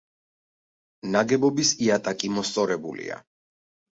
ნაგებობის იატაკი მოსწორებულია.